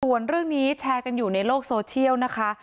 ส่วนเรื่องนี้แชร์กันอยู่ในโลกโซเชียลนะคะ